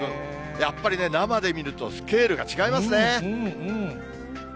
やっぱりね、生で見るとスケールが違いますね。